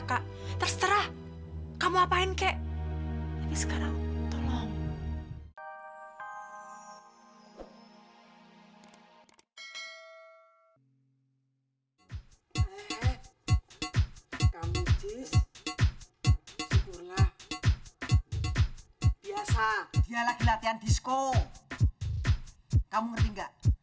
kamu ngerti enggak